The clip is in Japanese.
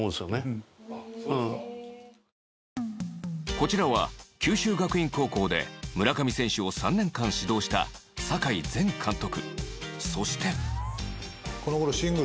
こちらは、九州学院高校で村上選手を３年間指導した坂井前監督。